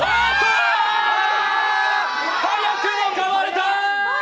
早くもかまれた！！